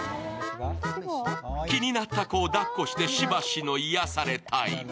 気になった子をだっこしてしばしの癒やされタイム。